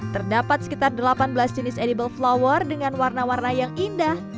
terdapat sekitar delapan belas jenis edible flower dengan warna warna yang indah